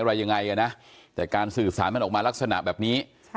อะไรยังไงนะแต่การสื่อสารมันออกมาลักษณะแบบนี้